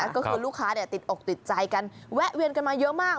ก็คือลูกค้าติดอกติดใจกันแวะเวียนกันมาเยอะมาก